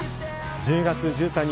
１０月１３日